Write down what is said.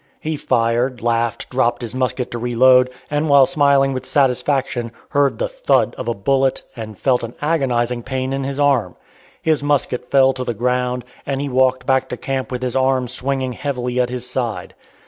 He fired, laughed, dropped his musket to re load, and while smiling with satisfaction, heard the "thud" of a bullet and felt an agonizing pain in his arm. His musket fell to the ground, and he walked back to camp with his arm swinging heavily at his side.